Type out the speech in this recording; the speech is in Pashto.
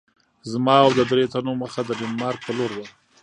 زما او د دریو تنو مخه د ډنمارک په لور وه.